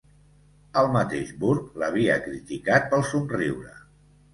El mateix Burke l'havia criticat pel somriure.